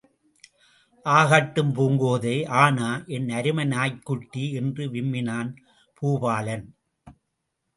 ஆகட்டும் பூங்கோதை.ஆனா, என் அருமை நாய்க்குட்டி? என்று விம்மினான் பூபாலன்.